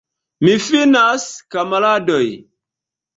Mi finas, kamaradoj!